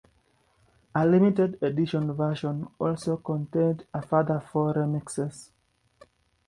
A limited edition version also contained a further four remixes.